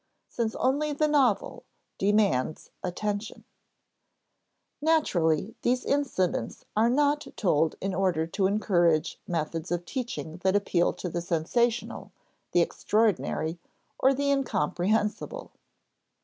[Sidenote: since only the novel demands attention,] Naturally, these incidents are not told in order to encourage methods of teaching that appeal to the sensational, the extraordinary, or the incomprehensible.